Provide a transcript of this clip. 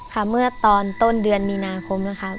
เมื่อตอนต้นเดือนมีนาคมนะคะ